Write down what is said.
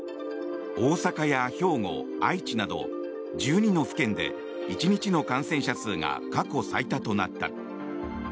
大阪や兵庫、愛知など１２の府県で１日の感染者数が過去最多となった。